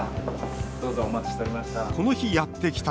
どうぞ、お待ちしておりました。